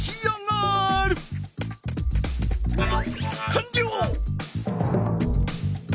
かんりょう！